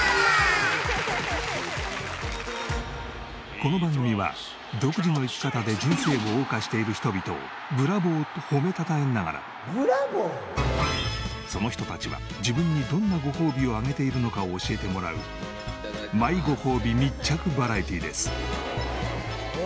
この番組は独自の生き方で人生を謳歌している人々を「ブラボー」と褒めたたえながらその人たちは自分にどんなごほうびをあげているのかを教えてもらうマイごほうび密着バラエティです。